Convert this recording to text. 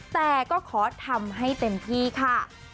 แต่ก็ขอทำให้เต็มที่ค่ะ